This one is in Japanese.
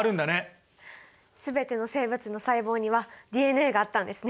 全ての生物の細胞にはＤＮＡがあったんですね！